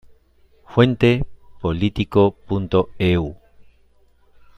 Fuente: Politico.eu